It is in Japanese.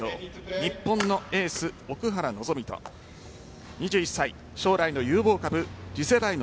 日本のエース・奥原希望と２１歳、将来の有望株次世代の